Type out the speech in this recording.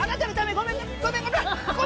ごめんごめん！